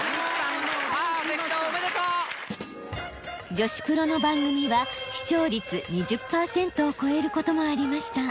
女子プロの番組は視聴率２０％を超えることもありました。